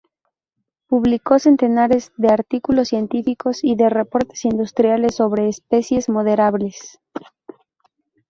Publicó centenares de artículos científicos y reportes industriales sobre especies maderables.